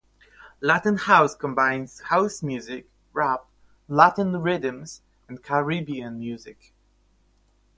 Latin house combines house music, rap, Latin rhythms and Caribbean music.